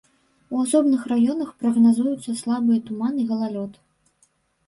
У асобных раёнах прагназуюцца слабыя туман і галалёд.